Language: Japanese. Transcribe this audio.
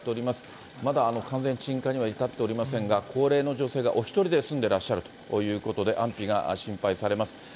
まだ完全に鎮火には至っておりませんが、高齢の女性がお一人で住んでらっしゃるということで、安否が心配されます。